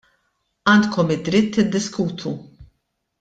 Għandkom id-dritt tiddiskutu.